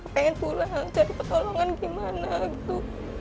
pengen pulang cari pertolongan gimana gitu